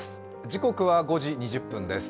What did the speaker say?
時刻は５時２０分です。